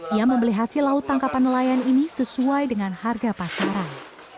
ia membeli hasil laut tangkapan nelayan ini sesuai dengan harga pasaran